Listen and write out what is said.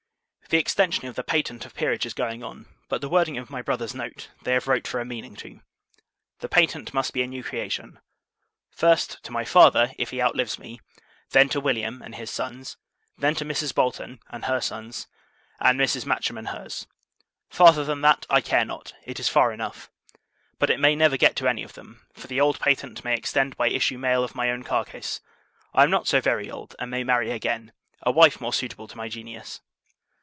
The extension of the patent of peerage is going on; but the wording of my brother's note, they have wrote for a meaning to. The patent must be a new creation. First, to my father, if he outlives me; then to William, and his sons; then to Mrs. Bolton, and her sons; and Mrs. Matcham, and her's. Farther than that, I care not; it is far enough. But it may never get to any of them; for the old patent may extend by issue male of my own carcase: I am not so very old; and may marry again, a wife more suitable to my genius.